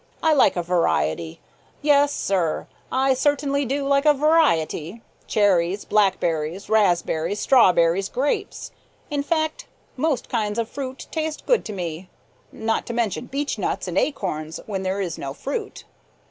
I like a variety. Yes, sir, I certainly do like a variety cherries, blackberries, raspberries, strawberries, grapes. In fact most kinds of fruit taste good to me, not to mention beechnuts and acorns when there is no fruit."